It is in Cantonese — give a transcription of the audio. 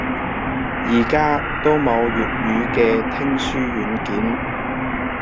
而家都冇粵語嘅聽書軟件